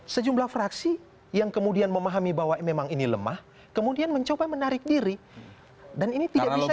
sejumlah fraksi yang kemudian memahami bahwa memang ini lemah kemudian mencoba menarik diri dan ini tidak bisa